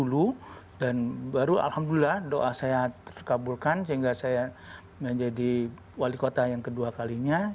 dulu dan baru alhamdulillah doa saya terkabulkan sehingga saya menjadi wali kota yang kedua kalinya